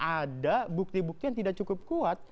ada bukti bukti yang tidak cukup kuat